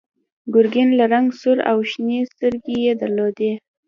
ګرګین له رنګه سور و او شنې سترګې یې درلودې.